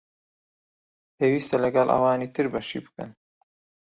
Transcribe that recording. پێوستە لەگەڵ ئەوانی تر بەشی بکەن